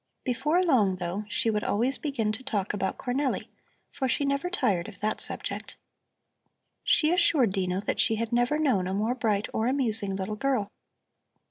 Before long, though, she would always begin to talk about Cornelli, for she never tired of that subject. She assured Dino that she had never known a more bright or amusing little girl.